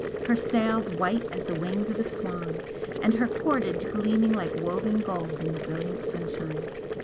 her sails white as the wings of a swan, and her cordage gleaming like woven gold in the brilliant sunshine.